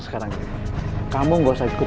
sekarang ini kamu gak usah ikut